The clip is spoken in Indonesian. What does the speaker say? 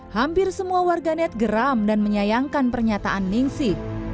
hampir semua warganet geram dan menyayangkan pernyataan ning si